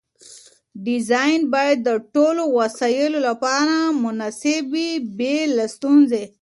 ډیزاین باید د ټولو وسایلو لپاره مناسب وي بې له ستونزې.